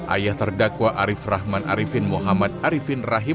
ayah terdakwa arief rahman arifin muhammad arifin rahim